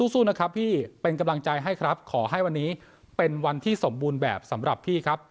สู้นะครับพี่เป็นกำลังใจให้ครับขอให้วันนี้เป็นวันที่สมบูรณ์แบบสำหรับพี่ครับ